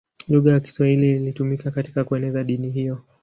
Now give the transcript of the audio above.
Lugha ya Kiswahili ilitumika katika kueneza dini hiyo.